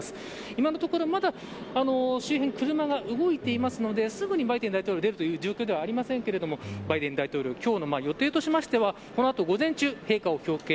今のところ、まだ周辺、車が動いているのですぐにバイデン大統領出るという状況ではありませんがバイデン大統領今日の予定としてはこの後午前中、陛下を表敬。